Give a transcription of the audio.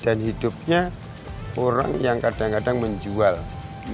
dan hidupnya orang yang kadang kadang menjualnya